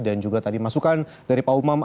dan juga tadi masukan dari pak umam